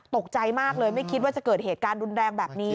ตกใจมากเลยไม่คิดว่าจะเกิดเหตุการณ์รุนแรงแบบนี้